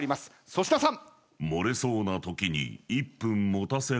粗品さん。